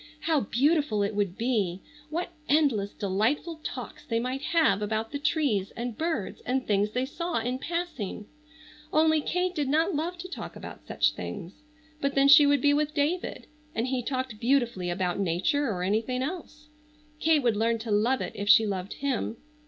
How beautiful it would be! What endless delightful talks they might have about the trees and birds and things they saw in passing only Kate did not love to talk about such things. But then she would be with David, and he talked beautifully about nature or anything else. Kate would learn to love it if she loved him.